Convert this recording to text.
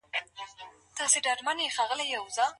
څه ډول د شکرګزارۍ احساس په ځان کي پیدا کړو؟